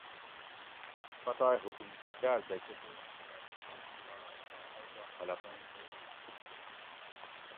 پتائے حکومیتہ جاۤز دہ کۤتیک امدادی سامان لاڑائے پرہ ائی پا خلقیں ضرورِت ما کۤم آش